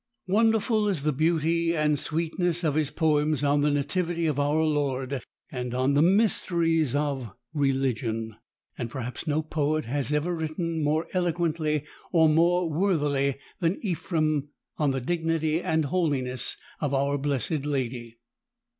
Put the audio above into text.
Wonderful is the beauty and sweetness of his poems on the Nativity of our Lord and on the mysteries of religion, and perhaps no poet has ever writ ten more eloquently or more worthily than Ephrem on the dignity and holiness of our Blessed Lady.